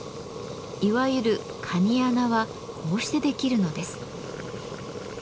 いわゆる「かに穴」はこうしてできるのです。